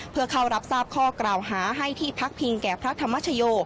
เพื่อเข้ารับทราบข้อกล่าวหาให้ที่พักพิงแก่พระธรรมชโย